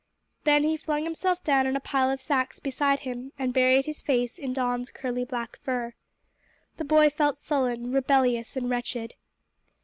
Then he flung himself down on a pile of sacks beside him and buried his face in Don's curly black fur. The boy felt sullen, rebellious and wretched.